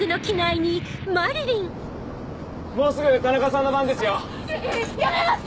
もうすぐ田中さんの番ですよややめます！